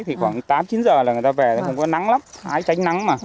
thì khoảng tám chín giờ là người ta về thì không có nắng lắm hái tránh nắng mà